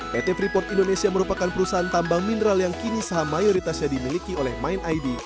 pt freeport indonesia merupakan perusahaan tambang mineral yang kini saham mayoritasnya dimiliki oleh mind id